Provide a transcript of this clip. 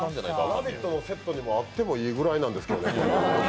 「ラヴィット！」のセットでも、あってもいいぐらいなんですけど。